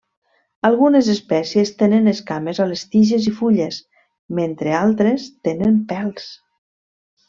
Algunes espècies tenen escames a les tiges i fulles, mentre altres tenen pèls.